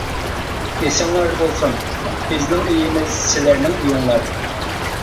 ئېسىڭلاردا بولسۇن، بىزنىڭ ئۆيىمىز سىلەرنىڭ ئۆيۈڭلار.